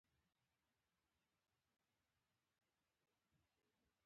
له بلې خوا اردن په دې برخه کې پرمختګ کړی دی.